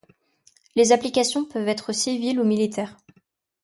Les applications peuvent être civiles ou militaires.